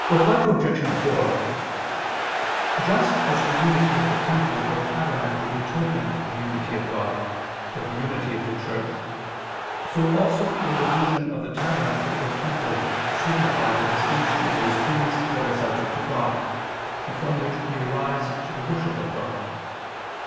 Reply Obj. 4: Just as the unity of the temple or tabernacle betokened the unity of God, or the unity of the Church, so also the division of the tabernacle or temple signified the distinction of those things that are subject to God, and from which we arise to the worship of God.